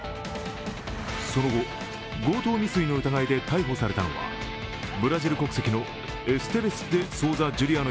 その後、強盗未遂の疑いで逮捕されたのはブラジル国籍のエステベス・デ・ソウザ・ジュリアノ